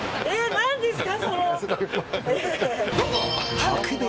何ですか？